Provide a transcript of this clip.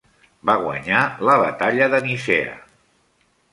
Va guanyar la batalla de Nicea.